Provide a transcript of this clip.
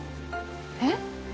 えっ！？